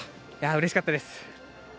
うれしかったです。